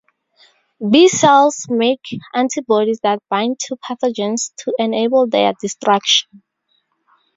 B cells make antibodies that bind to pathogens to enable their destruction.